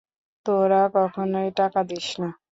তোরা কখনোই টাকা দিস না।